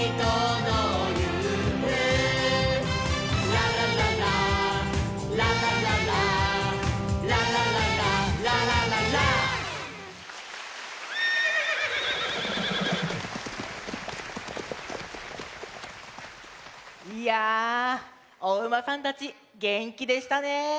「ララララーララララー」「ララララララララ」いやおうまさんたちげんきでしたね。